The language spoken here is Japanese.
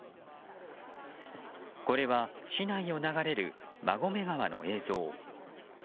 これは市内を流れる馬込川の映像。